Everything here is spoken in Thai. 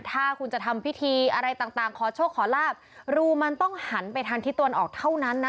ถ้าคุณจะทำพิธีอะไรต่างขอโชคขอลาบรูมันต้องหันไปทางทิศตะวันออกเท่านั้นนะ